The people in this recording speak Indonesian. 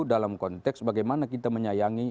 dalam konteks bagaimana kita menyayangi